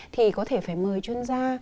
thì có thể phải mời chuyên gia